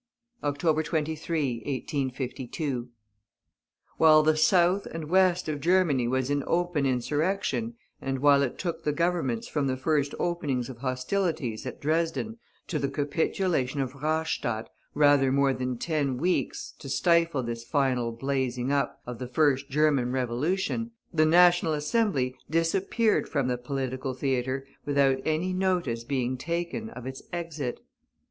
OCTOBER 23, 1852. While the south and west of Germany was in open insurrection, and while it took the Governments from the first opening of hostilities at Dresden to the capitulation of Rastatt, rather more than ten weeks, to stifle this final blazing up of the first German Revolution, the National Assembly disappeared from the political theater without any notice being taken of its exit.